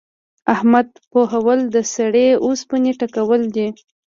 احمد پوهول؛ د سړې اوسپنې ټکول دي.